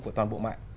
của toàn bộ mạng